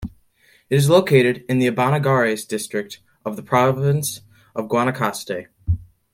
It is located in the Abangares district of the province of Guanacaste.